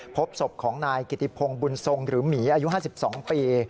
พบศพของนายกิติพงศ์บุญทรงหรือหมีอายุ๕๒ปี